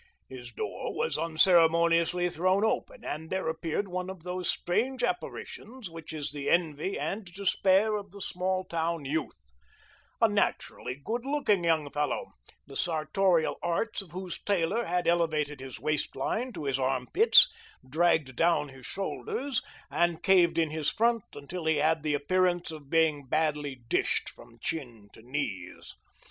His door was unceremoniously thrown open, and there appeared one of those strange apparitions which is the envy and despair of the small town youth a naturally good looking young fellow, the sartorial arts of whose tailor had elevated his waist line to his arm pits, dragged down his shoulders, and caved in his front until he had the appearance of being badly dished from chin to knees.